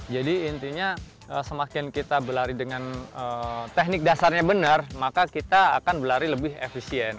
jadi intinya semakin kita berlari dengan teknik dasarnya benar maka kita akan berlari lebih efisien